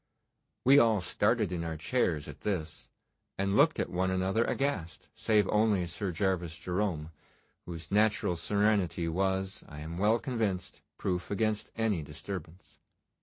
We all started in our chairs at this, and looked at one another aghast, save only Sir Gervas Jerome, whose natural serenity was, I am well convinced, proof against any disturbance.